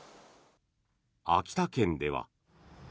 秋田県では。